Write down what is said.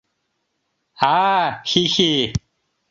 А-а, хи-хи!.